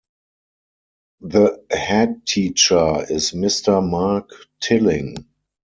The headteacher is Mr Mark Tilling.